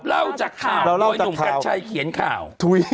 เล่าจากข่าวโดยหนุ่มกัญชัยเขียนข่าว